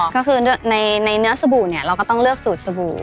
ก็คือในเนื้อสบู่เนี่ยเราก็ต้องเลือกสูตรสบู่